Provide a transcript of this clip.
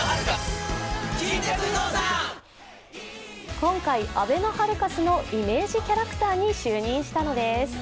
今回、あべのハルカスのイメージキャラクターに就任したのです。